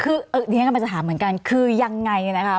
คือนี่ที่จะถามเหมือนกันคือยังไงนะคะ